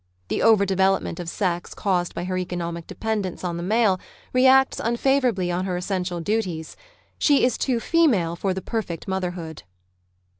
The over development of sex caused by her economic dependence on the male reacts unfavour My on her essential duties. She is too female for the perfect motherhood